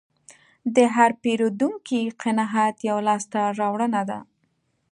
د هر پیرودونکي قناعت یوه لاسته راوړنه ده.